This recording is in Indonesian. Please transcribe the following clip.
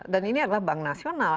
dan ini adalah bank nasional